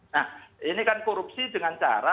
nah ini kan korupsi dengan cara